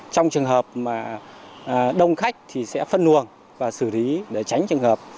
trong trường hợp mà đông khách thì sẽ phân luồng và xử lý để tránh trường hợp